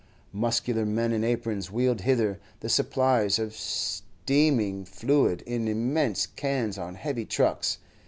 Muscular men in aprons wheeled hither the supplies of steaming fluid in immense cans on heavy trucks.